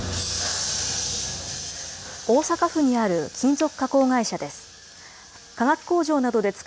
大阪府にある金属加工会社です。